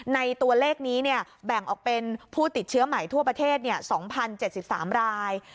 ในตัวเลขนี้แบ่งออกเป็นผู้ติดเชื้อใหม่ทั่วประเทศ๒๐๗๓ราย